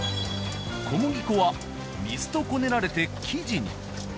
小麦粉は水とこねられて生地に。